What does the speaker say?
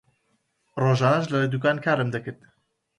ڕۆژانەش لە دوکان کارم دەکرد.